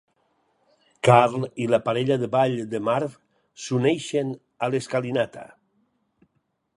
Carl i la parella de ball de Marv s"uneixen a l"escalinata.